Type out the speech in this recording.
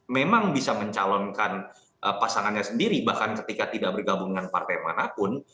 memang bisa mencalonkan pasangannya sendiri bahkan ketika tidak bergabung dengan partai manapun